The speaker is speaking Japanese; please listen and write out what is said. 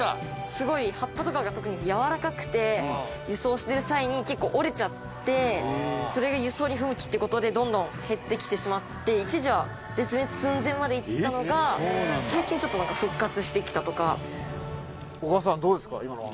すごい葉っぱとかが特にやわらかくて輸送してる際に結構折れちゃってそれが輸送に不向きって事でどんどん減ってきてしまって一時は絶滅寸前までいったのが最近ちょっとなんか復活してきたとか。